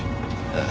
ああ。